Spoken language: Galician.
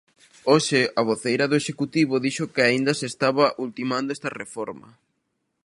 Hoxe a voceira do Executivo dixo que aínda se estaba ultimando esta reforma.